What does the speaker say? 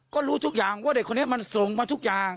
ก็รู้ทุกอย่างว่าเด็กคนนี้มันส่งมาทุกอย่าง